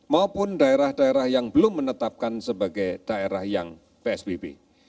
maupun daerah daerah yang belum menetapkan sebagai daerah yang psbb